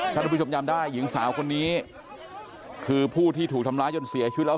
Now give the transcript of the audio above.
ท่านผู้ชมจำได้หญิงสาวคนนี้คือผู้ที่ถูกทำร้ายจนเสียชีวิตแล้ว